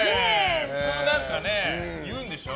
普通何か言うんでしょ。